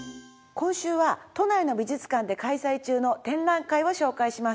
今週は都内の美術館で開催中の展覧会を紹介します。